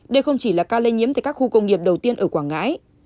đây không chỉ là ca lây nhiễm tại các khu công nghiệp đầu tiên ở quảng ngãi